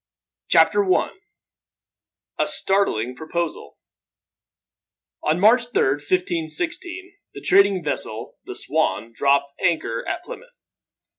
Chapter 1: A Startling Proposal. On March 3rd, 1516, the trading vessel the Swan dropped anchor at Plymouth.